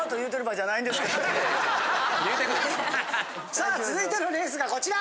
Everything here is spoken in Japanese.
さあ続いてのレースがこちら！